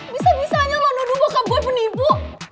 bisa bisanya lo nuduh bokap gue penipu